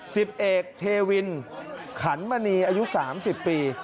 สิบเอกเทวินขันมณีอายุ๓๐ปี